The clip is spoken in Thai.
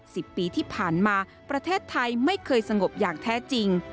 สิบปีที่ผ่านมาประเทศไทยไม่เคยสงบอย่างแท้จริง